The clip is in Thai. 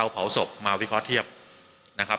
เผาซบมาวิเคราะห์เทียบ